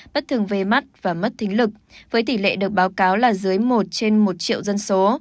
bất thường về mắt và mất thính lực với tỷ lệ được báo cáo là dưới một trên một triệu dân số